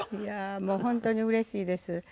もう本当にうれしいです。